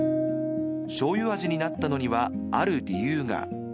しょうゆ味になったのにはある理由が。